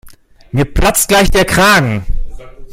Mir platzt gleich der Kragen.